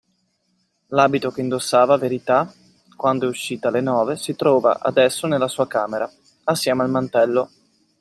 L'abito che indossava Verità quando è uscita alle nove si trova adesso nella sua camera, assieme al mantello.